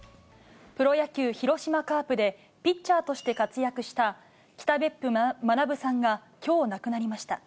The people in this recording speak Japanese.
プロ野球・広島カープで、ピッチャーとして活躍した、北別府学さんがきょう亡くなりました。